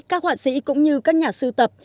các hoạn sĩ cũng như các nhà sưu tập